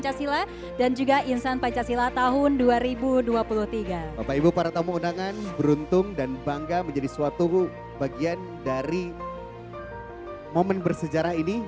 yang ditunggu tunggu juga pada siang hari ini